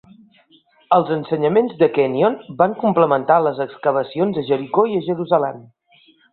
Els ensenyaments de Kenyon van complementar les excavacions a Jericho i a Jerusalem.